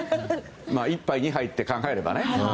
１杯、２杯と考えればね。